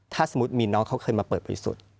ถ้าสมมุติมีน้องเขาเคยมาเปิดบริสุทธิ์